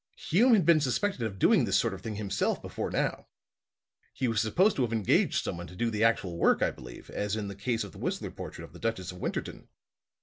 Hume has been suspected of doing this sort of thing himself before now. He was supposed to have engaged someone to do the actual work, I believe, as in the case of the Whistler portrait of the Duchess of Winterton.